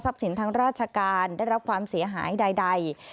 สินทางราชการได้รับความเสียหายใด